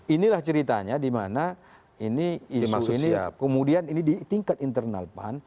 inilah ceritanya dimana ini isu ini kemudian ini di tingkat internal pan